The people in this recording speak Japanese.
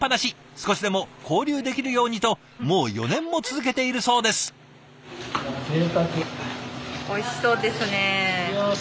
少しでも交流できるようにともう４年も続けているそうです。